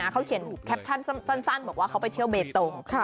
เขาเขียนแคปชั่นสั้นบอกว่าเขาไปเที่ยวเบตง